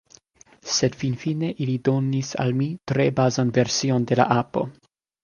Sed finfine ili donis al mi tre bazan version de la apo.